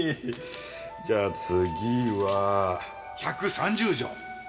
じゃあ次は１３０条！